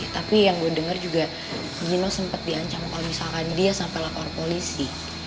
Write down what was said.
tapi yang gue denger juga gino sempet di ancam kalau misalkan dia sampai lapor polisi